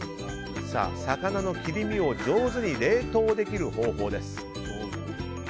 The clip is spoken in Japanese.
魚の切り身を上手に冷凍できる方法です。